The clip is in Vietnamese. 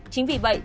chính vì vậy